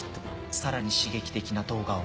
さらに刺激的な動画を。